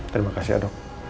terima kasih ya dok